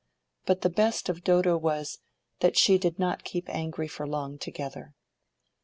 But the best of Dodo was, that she did not keep angry for long together.